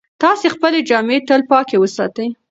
تاسې خپلې جامې تل پاکې وساتئ.